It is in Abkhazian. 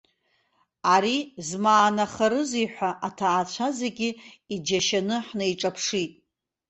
Ари змаанахарызеи ҳәа аҭаацәа зегьы иџьашьаны ҳнеиҿаԥшит.